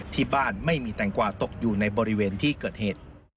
ที่บ้านไม่มีแตงกว่าตกอยู่ในบริเวณที่เกิดเหตุ